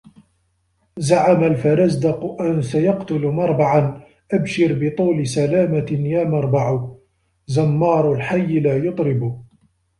زعم الفرزدق أن سيقتل مربعاً أبشر بطول سلامة يا مربع زمَّارُ الحي لا يُطْرِبُ